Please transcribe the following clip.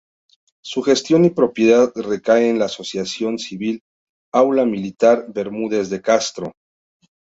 Su gestión y propiedad recae en la asociación civil Aula Militar Bermúdez de Castro.